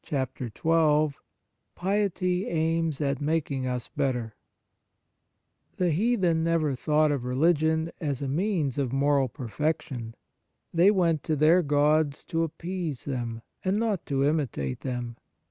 95 PART II THE FRUITS OF PIETY XII PIETY AIMS AT MAKING US BETTER THE heathen never thought of religion as a means of moral per fection. They went to their gods to appease them, and not to imitate them.